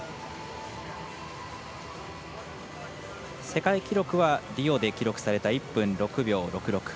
世界記録はリオで記録された１分６秒６６。